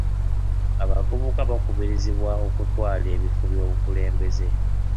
Abavubuka bakubirizibwa okutwala ebifo byobukulembeze.